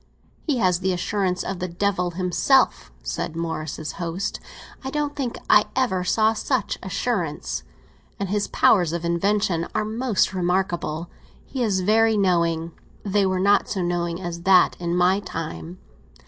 "He has the assurance of the devil himself," said Morris's host; "I don't think I ever saw such assurance. And his powers of invention are most remarkable. He is very knowing; they were not so knowing as that in my time.